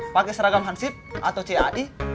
pakai seragam hansip atau cad